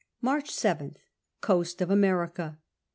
March 7th. Coast of America.